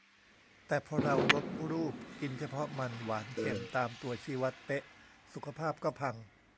แต่พอเราลดรูป กินเฉพาะมัน หวาน เค็ม ตามตัวชี้วัดเป๊ะ สุขภาพก็พัง